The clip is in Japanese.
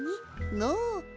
のう？